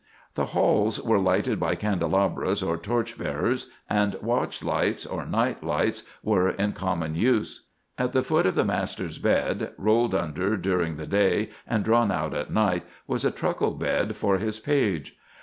The halls were lighted by candelabras or torch bearers, and watch lights, or night lights, were in common use. At the foot of the master's bed, rolled under during the day and drawn out at night, was a truckle bed for his page.